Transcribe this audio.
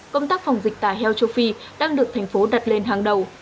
công tác phòng dịch tả heo châu phi đang được thành phố đặt lên hàng đầu